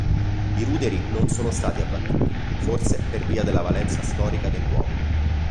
I ruderi non sono stati abbattuti forse per via della valenza storica del luogo.